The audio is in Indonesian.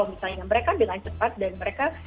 misalnya mereka dengan cepat dan mereka